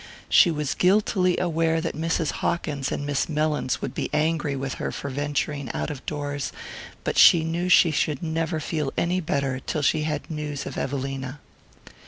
She was guiltily aware that Mrs. Hawkins and Miss Mellins would be angry with her for venturing out of doors, but she knew she should never feel any better till she had news of Evelina.